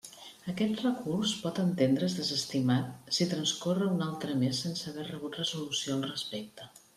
Aquest recurs pot entendre's desestimat si transcorre un altre mes sense haver rebut resolució al respecte.